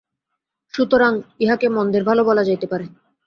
সুতরাং ইহাকে মন্দের ভাল বলা যাইতে পারে।